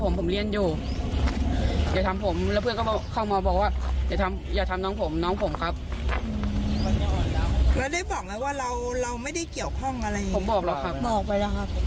บอกเขาว่าไง